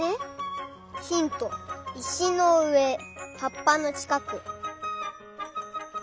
ヒントいしのうえはっぱのちかく。